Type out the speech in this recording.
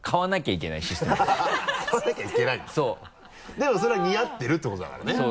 でもそれは似合ってるってことだからね。